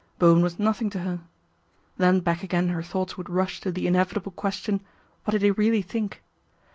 Bowen was nothing to her. Then back again her thoughts would rush to the inevitable ques tion, what did he really think